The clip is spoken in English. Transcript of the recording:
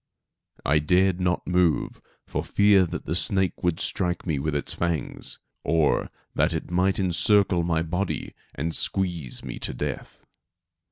I dared not move for fear that the snake would strike me with its fangs, or that it might encircle my body and squeeze me to death.